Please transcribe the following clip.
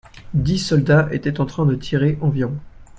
Dix soldats étaient en train de tirer environ.